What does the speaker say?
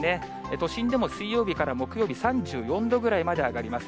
都心でも水曜日から木曜日、３４度ぐらいまで上がります。